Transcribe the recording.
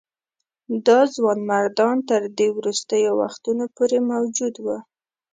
دا ځوانمردان تر دې وروستیو وختونو پورې موجود وه.